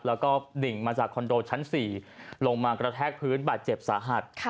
แล้วก็ดิ่งมาจากคอนโดชั้น๔ลงมากระแทกพื้นบาดเจ็บสาหัส